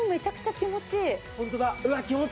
気持ちいい。